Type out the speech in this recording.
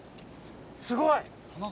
すごい！